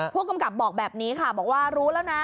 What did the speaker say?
ผู้กำกับบอกแบบนี้ค่ะบอกว่ารู้แล้วนะ